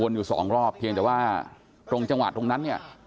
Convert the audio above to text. วนอยู่๒รอบเพียงแต่ว่าตรงจังหวัดตรงนั้น